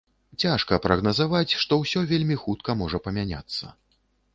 Цяжка прагназаваць, што ўсё вельмі хутка зможа памяняцца.